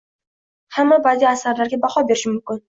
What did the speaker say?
Hamma badiiy asarlarga baho berish mumkin.